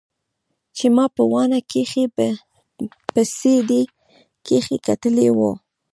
چې ما په واڼه کښې په سي ډي کښې کتلې وه.